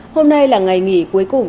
hôm nay là ngày nghỉ cuối cùng